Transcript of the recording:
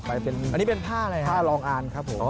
อันนี้เป็นผ้าอะไรฮะผ้าลองอ่านครับผม